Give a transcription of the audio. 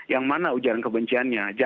yang mana ujaran kebenciannya